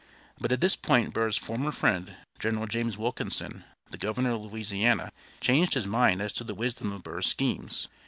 But at this point Burr's former friend, General James Wilkinson, the governor of Louisiana, changed his mind as to the wisdom of Burr's schemes.